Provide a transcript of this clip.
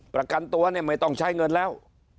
ประกันตัวเนี่ยไม่ต้องใช้เงินแล้ว